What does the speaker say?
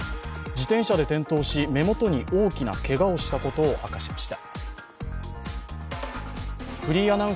自転車で転倒し、目元に大きなけがをしたことを明かしました。